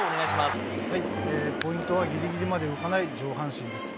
ポイントはぎりぎりまで動かない上半身です。